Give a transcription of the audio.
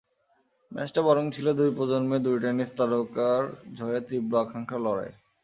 ম্যাচটা বরং ছিল দুই প্রজন্মের দুই টেনিস তারকার জয়ের তীব্র আকাঙ্ক্ষার লড়াই।